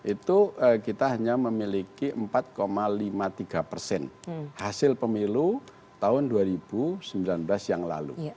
itu kita hanya memiliki empat lima puluh tiga persen hasil pemilu tahun dua ribu sembilan belas yang lalu